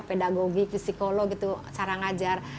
pedagogi psikolog cara ngajar